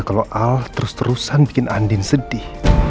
kalau al terus terusan bikin andin sedih